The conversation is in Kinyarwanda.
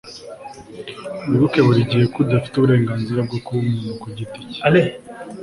wibuke buri gihe ko udafite uburenganzira bwo kuba umuntu ku giti cye